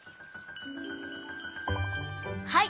はい。